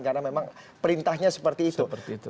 karena memang perintahnya seperti itu